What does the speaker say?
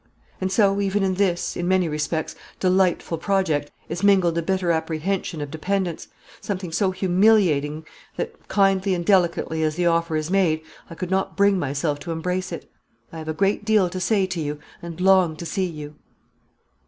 And so even in this, in many respects, delightful project, is mingled the bitter apprehension of dependence something so humiliating, that, kindly and delicately as the offer is made, I could not bring myself to embrace it. I have a great deal to say to you, and long to see you."...